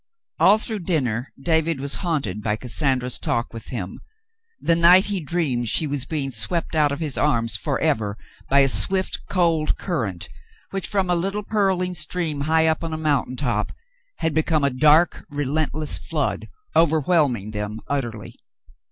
All through dinner David was haunted by Cassandra's talk with him, the night he dreamed she was being swept out of his arms forever by a swift, cold current which, from a little purling stream high up on a mountain top, had become a dark, relentless flood, overwhelming them utterly.